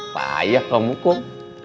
bayah kamu kom